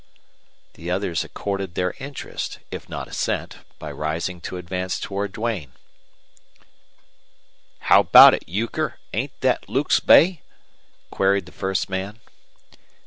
The others accorded their interest, if not assent, by rising to advance toward Duane. "How about it, Euchre? Ain't thet Luke's bay?" queried the first man.